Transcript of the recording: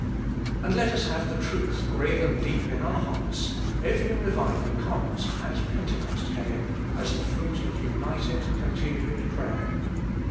" And let us have the truth graven deep in our hearts : every revival comes, as Pentecost came, as the fruit of united, continued prayer.